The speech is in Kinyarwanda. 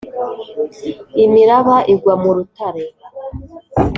imiraba igwa mu rutare.